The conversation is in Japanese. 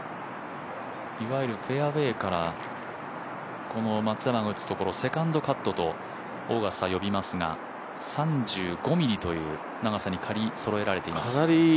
いわゆるフェアウエーから松山が打つところ、セカンドカットとオーガスタは呼びますが３５ｍｍという長さに刈りそろえられています。